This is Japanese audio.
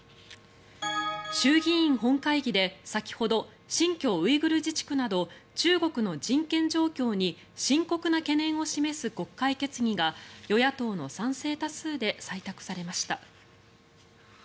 衆議院本会議で先ほど新疆ウイグル自治区など中国の人権状況に深刻な懸念を示す国会決議が与野党の賛成多数で採択されました。